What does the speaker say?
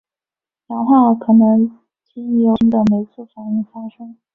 氧化可能经由铁细菌的酶促反应发生。